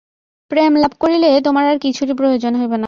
প্রেম love করিলে তোমার আর কিছুরই প্রয়োজন হইবে না।